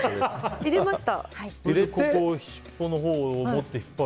入れました。